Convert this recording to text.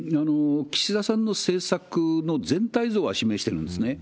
岸田さんの政策の全体像は示してるんですね。